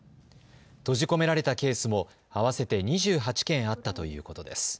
閉じ込められたケースも合わせて２８件あったということです。